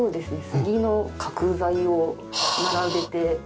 スギの角材を並べて。